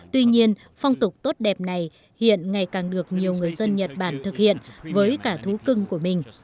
tuy nhiên phong tục tốt đẹp này hiện ngày càng được nhiều người dân nhật bản thực hiện với cả thú cưng của mình